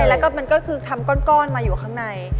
แล้วก็มันก็คือทำก้อนมาอยู่ข้างใน